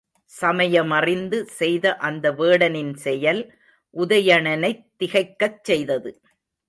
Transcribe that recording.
சமயமறிந்து செய்த அந்த வேடனின் செயல் உதயணனைத் திகைக்கச் செய்தது.